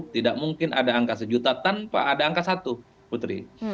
tidak mungkin ada angka sejuta tanpa ada angka satu putri